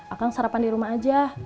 akan sarapan di rumah aja